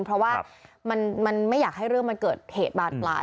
เพราะว่ามันไม่อยากให้เรื่องมันเกิดเหตุบานปลาย